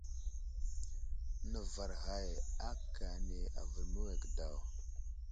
Nəvar ghay akane avər məwege daw.